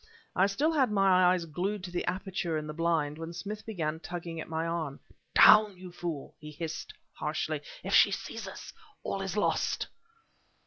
I still had my eyes glued to the aperture in the blind, when Smith began tugging at my arm. "Down! you fool!" he hissed harshly "if she sees us, all is lost!"